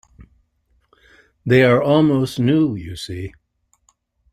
They are almost new, you see.